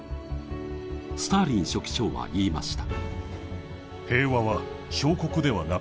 スターリン書記長は言いました。